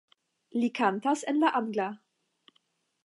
Li kantas en angla.